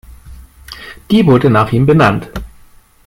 Die wurde nach ihm benannt.